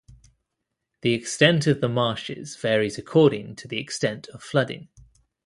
The extent of the marshes varies according to the extent of flooding.